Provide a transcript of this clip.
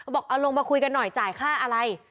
บอกเอาลงมาคุยกันหน่อยจ่ายค่าอะไร